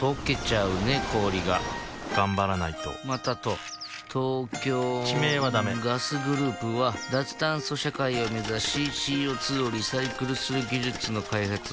氷が頑張らないとまたと東京地名はダメガスグループは脱炭素社会を目指しＣＯ２をリサイクルする技術の開発をしています